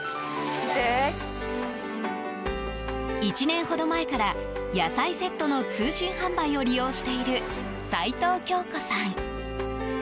１年ほど前から野菜セットの通信販売を利用している、齋藤恭子さん。